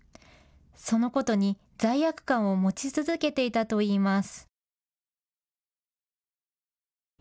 そのことに罪悪感を持ち続けていたといいます。